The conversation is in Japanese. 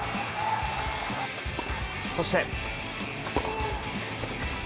そして。